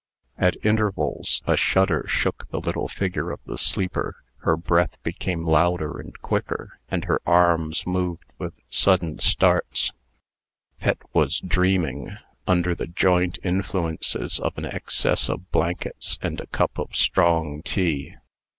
At intervals, a shudder shook the little figure of the sleeper, her breath came louder and quicker, and her arms moved with sudden starts. Pet was dreaming, under the joint influences of an excess of blankets and a cup of strong tea.